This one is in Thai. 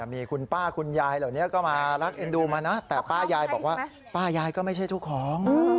มีคุณป้าคุณยายเหล่านี้ก็มารักเอ็นดูมานะแต่ป้ายายบอกว่าป้ายายก็ไม่ใช่เจ้าของ